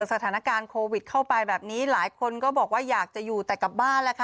สถานการณ์โควิดเข้าไปแบบนี้หลายคนก็บอกว่าอยากจะอยู่แต่กลับบ้านแล้วค่ะ